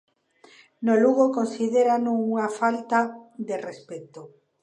No Lugo considérano unha falta de respecto.